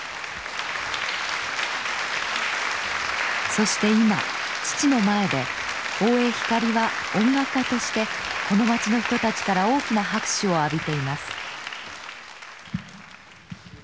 そして今父の前で大江光は音楽家としてこの町の人たちから大きな拍手を浴びています。